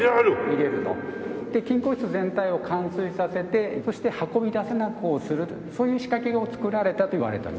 入れると。で金庫室全体を冠水させてそして運び出せなくするそういう仕掛けを作られたといわれております。